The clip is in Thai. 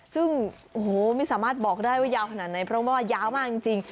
ซึ่งโอ้โหไม่สามารถบอกได้ว่ายาวขนาดไหนเพราะว่ายาวมากจริง